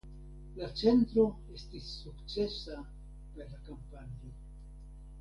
La centro estis sukcesa per la kampanjo.